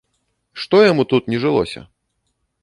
Што яму тут не жылося?